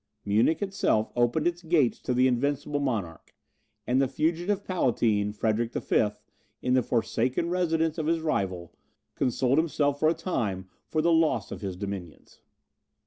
Munich itself opened its gates to the invincible monarch, and the fugitive Palatine, Frederick V., in the forsaken residence of his rival, consoled himself for a time for the loss of his dominions.